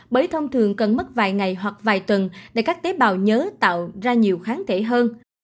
bởi thông thường cần mất vài ngày hoặc vài tuần để các tế bào nhớ tạo ra nhiều kháng thể hơn